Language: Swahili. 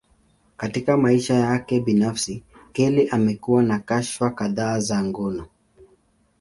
Katika maisha yake binafsi, Kelly amekuwa na kashfa kadhaa za ngono.